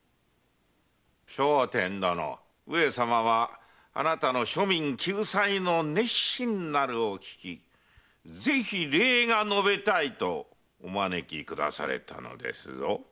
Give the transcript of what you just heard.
聖天殿上様はあなたの庶民救済の熱心なるを聞きぜひ礼が述べたいとお招きくだされたのですぞ。